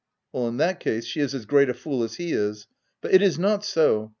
" In that case, she is as great a fool as he is ; but it is not so.